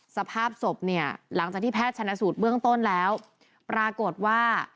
สภาพศพเนี่ยหลังจากที่แพทย์ชนะสูตรเบื้องต้นแล้วปรากฏว่า